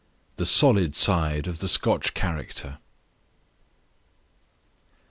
II. THE SOLID SIDE OF THE SCOTCH CHARACTER.